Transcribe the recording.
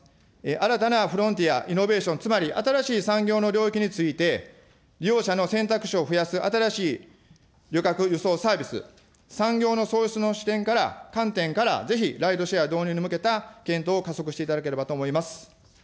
新たなフロンティア、イノベーション、つまり新しい産業の領域について、利用者の選択肢を増やす新しい旅客輸送サービス、産業の創出の視点から、観点から、ぜひ、ライドシェア導入に向けた検討を加速していただければと思います。